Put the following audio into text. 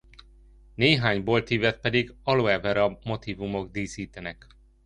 Néhány boltívet pedig aloe vera motívumok díszítenek.